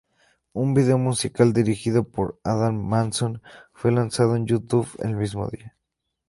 Un vídeo musical dirigido por Adam Mason fue lanzado en YouTube el mismo día.